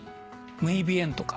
ムイビエンとか。